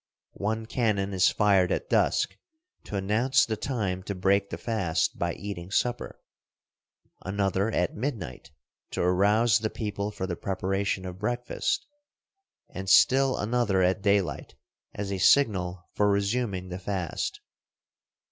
One cannon is fired at dusk, to announce the time to break the fast by eating supper, another at midnight to arouse the people for the preparation of breakfast, and still another at daylight as a signal for resuming the fast.